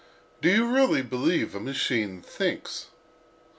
—do you really believe that a machine thinks?"